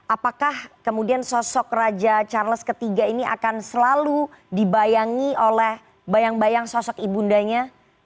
apakah kemudian sosok raja charles iii ini akan selalu dibayangi oleh bayang bayang sosok ibundanya